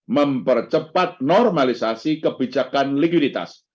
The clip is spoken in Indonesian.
mempercepat normalisasi kebijakan likuiditas